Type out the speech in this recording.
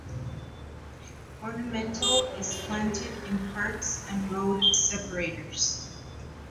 Ornamental is planted in parks and road separators.